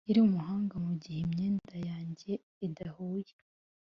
yari umuhanga mugihe imyenda yanjye idahuye.